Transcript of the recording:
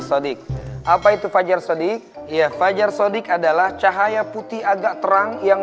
shodek apa itu fajar shodek ya fajar shodek adalah cahaya putih agak terang yang